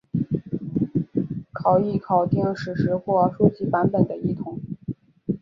考异考订史实或书籍版本的异同。